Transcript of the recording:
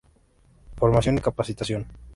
Formación y capacitación.